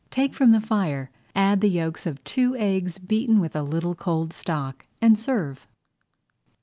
Take from the fire, add the yolks of two eggs beaten with a little cold stock, and serve.